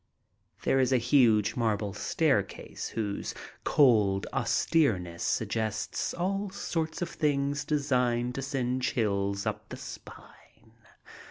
There is a huge marble staircase whose cold austereness sug gests all sorts of things designed to send chills up the spine.